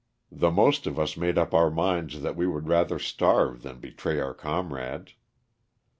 The most of us made up our minds that we would rather starve than betray our comrades.